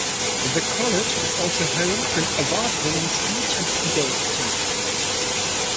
The College is also home to an award-winning Speech and Debate team.